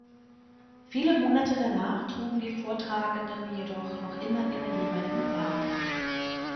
Viele Monate danach trugen die Vortragenden jedoch noch immer ihre jeweiligen Farben.